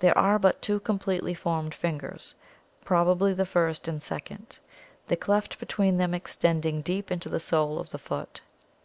There are *. 3. 4. digits 1 4. but two completely formed fingers, probably the (After WMenhdm.) first and second, the cleft between them extending deep into the sole of the foot.